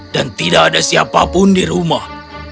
dan tidak ada siapapun di rumah